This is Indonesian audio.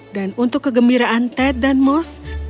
dan untuk kegembiraan ted dan moose